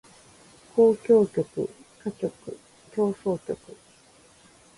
交響曲歌曲協奏曲